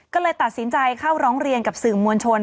ก็เลยตัดสินใจเข้าร้องเรียนกับสื่อมวลชน